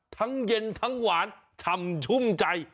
ทั้งเย็นทั้งหวานชำชุ่มใจ